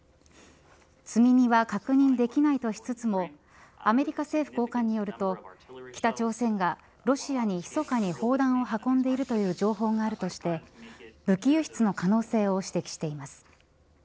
積み荷は確認できないとしつつもアメリカ政府高官によると北朝鮮がロシアにひそかに砲弾を運んでいるという情報があるとして武器輸出の可能性を指摘しています。